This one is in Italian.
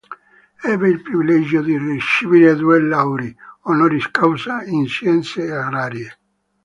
Ebbe il privilegio di ricevere due lauree “honoris causa” in scienze agrarie.